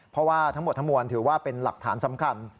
เพราะว่าทั้งหมดทั้งมวลถือว่าเป็นหลักฐานสำคัญ